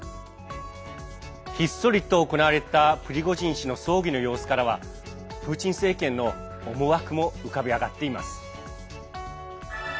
ひっそりと行われたプリゴジン氏の葬儀の様子からはプーチン政権の思惑も浮かび上がっています。